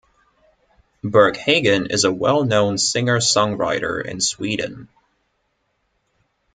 Berghagen is a well known singer-songwriter in Sweden.